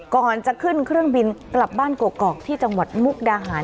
ก่อนจะขึ้นเครื่องบินกลับบ้านกกอกที่จังหวัดมุกดาหาร